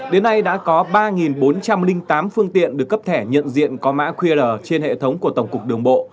đến nay đã có ba bốn trăm linh tám phương tiện được cấp thẻ nhận diện có mã qr trên hệ thống của tổng cục đường bộ